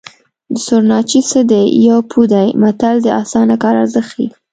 د سورناچي څه دي یو پو دی متل د اسانه کار ارزښت ښيي